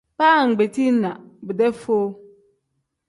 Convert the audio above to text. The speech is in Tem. Baa ngbetii na bidee foo.